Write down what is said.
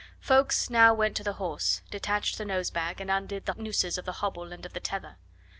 Ffoulkes now went to the horse, detached the nose bag, and undid the nooses of the hobble and of the tether.